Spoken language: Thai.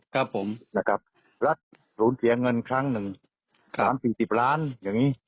และหลวนเสียเงินครั้งหนึ่ง๓๔๐ล้านอย่างนี้